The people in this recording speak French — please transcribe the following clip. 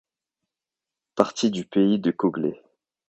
Partie du pays de Coglais.